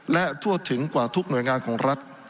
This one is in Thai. และทั่วถึงกว่าทุกหน่วยงานของรัฐ